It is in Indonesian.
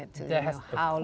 tapi ada peraturan